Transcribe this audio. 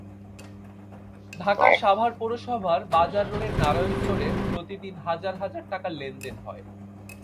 ঢাকার সাভার পৌরসভার বাজার রোডের নারায়ণ স্টোরে প্রতিদিন হাজার হাজার টাকার লেনদেন হয়।